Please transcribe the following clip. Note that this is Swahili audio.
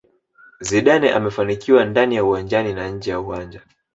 Zidane amefanikiwa ndani ya uwanjani na nje ya uwanja